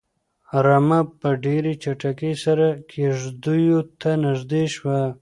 رمه په ډېرې چټکۍ سره کيږديو ته نږدې شوه.